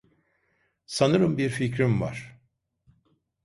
Sanırım bir fikrim var.